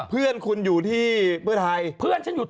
เออเค้าอยู่ที่พิเศษไทย